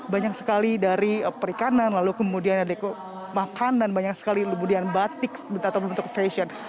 banyak sekali dari perikanan lalu kemudian ada makanan banyak sekali kemudian batik atau bentuk fashion